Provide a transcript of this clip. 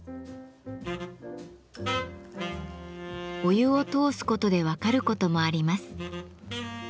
お湯を通すことで分かることもあります。